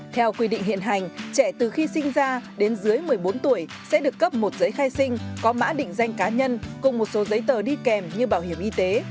theo quy định hiện hành trẻ từ khi sinh ra đến dưới một mươi bốn tuổi sẽ được cấp một giấy khai sinh có mã định danh cá nhân cùng một số giấy tờ đi kèm như bảo hiểm y tế